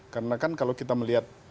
karena kan kalau kita melihat